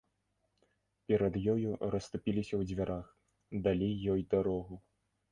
Перад ёю расступіліся ў дзвярах, далі ёй дарогу.